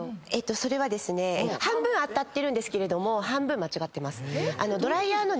それはですね半分当たってるんですけれども半分間違ってます。